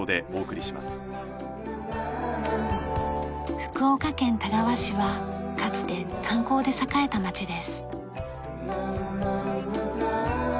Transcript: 福岡県田川市はかつて炭鉱で栄えた町です。